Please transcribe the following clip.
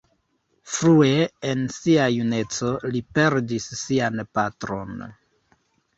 Frue en sia juneco li perdis sian patron.